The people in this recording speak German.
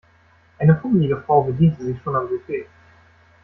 Eine pummelige Frau bediente sich schon am Buffet.